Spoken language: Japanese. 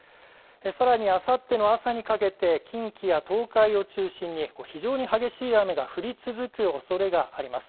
さらにあさっての朝にかけて近畿や東海を中心に非常に激しい雨が降り続くおそれがあります。